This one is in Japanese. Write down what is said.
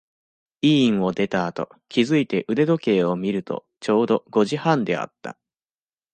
医院を出たあと、気づいて腕時計を見ると、ちょうど、五時半であった。